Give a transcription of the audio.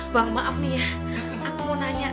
bang maaf nih ya aku mau nanya